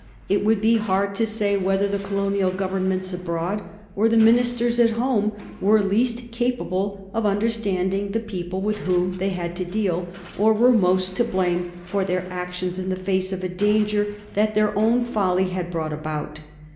It would be hard to say whether the provincial governors abroad or the ministers at home were least capable of understanding the people with whom they had to deal, or were most to blame for their actions in the face of a danger that their own folly had brought about.